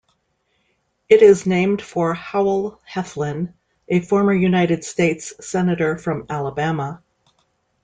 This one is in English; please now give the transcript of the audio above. It is named for Howell Heflin, a former United States Senator from Alabama.